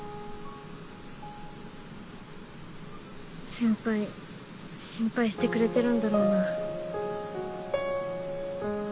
先輩心配してくれてるんだろうなぁ。